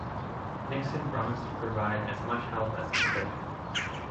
Nixon promised to provide as much help as he could.